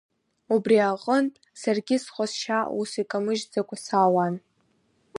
Убри аҟынтә саргьы сҟазшьа ус икамыжьӡакәа саауан.